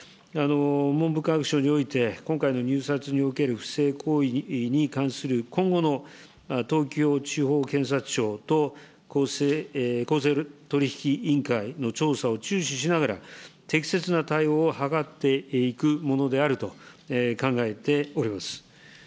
文部科学省において、今回の入札における不正行為に関する今後の東京地方検察庁と、公正取引委員会の調査を注視しながら、適切な対応を図っていくものであると考えております。